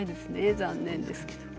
残念ですけどね。